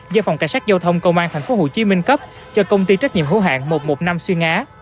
do phòng cảnh sát giao thông công an tp hcm cấp cho công ty trách nhiệm hữu hạng một trăm một mươi năm xuyên á